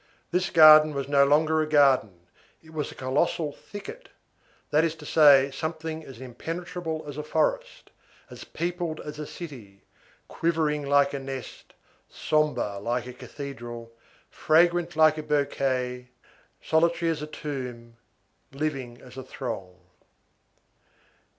This garden was no longer a garden, it was a colossal thicket, that is to say, something as impenetrable as a forest, as peopled as a city, quivering like a nest, sombre like a cathedral, fragrant like a bouquet, solitary as a tomb, living as a throng.